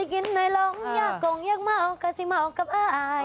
มันต้องเดิน้าหน้า